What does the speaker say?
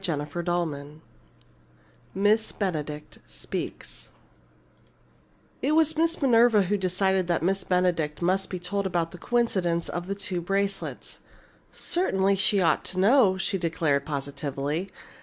CHAPTER XII MISS BENEDICT SPEAKS It was Miss Minerva who decided that Miss Benedict must be told about the coincidence of the two bracelets. "Certainly, she ought to know!" she declared positively.